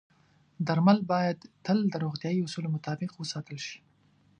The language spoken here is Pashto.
درمل باید تل د روغتیايي اصولو مطابق وساتل شي.